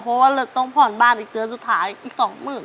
เพราะว่าเราต้องผ่อนบ้านอีกเดือนสุดท้ายอีกสองหมื่น